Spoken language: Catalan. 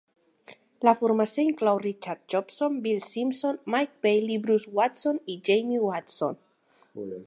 La formació inclou Richard Jobson, Bill Simpson, Mike Baillie, Bruce Watson i Jamie Watson.